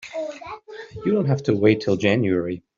You don't have to wait till January.